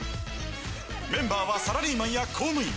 メンバーはサラリーマンや公務員。